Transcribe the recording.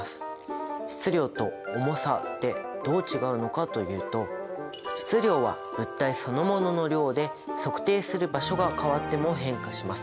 質量と重さってどう違うのかというと質量は物体そのものの量で測定する場所が変わっても変化しません。